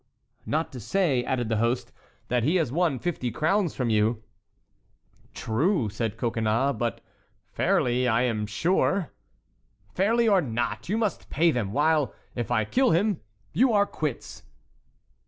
"Not to say," added the host, "that he has won fifty crowns from you." "True," said Coconnas; "but fairly, I am sure." "Fairly or not, you must pay them, while, if I kill him, you are quits."